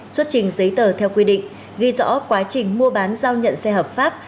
xuất trình giấy tờ theo quy định ghi rõ quá trình mua bán giao nhận xe hợp pháp